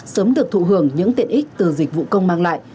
sớm được thụ hưởng những tiện ích từ dịch vụ công mang lại